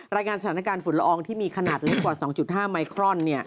รายงานสถานการณ์ฝุ่นละอองที่มีขนาดเล็กกว่า๒๕ไมครอน